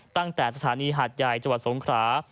ตั้งแต่สถานีหาดใหญ่จังหวัดสงขรา